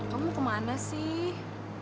kamu kemana sih